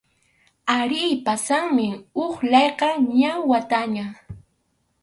Arí, pasanmi huk layqa, ña wataña.